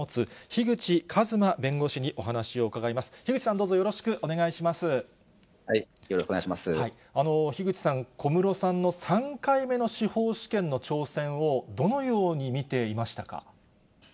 樋口さん、小室さんの３回目の司法試験の挑戦を、どのように見ていましたか。